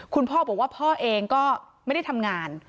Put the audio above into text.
คุณพ่อบอกว่าพ่อเองก็ไม่ได้ทำงาน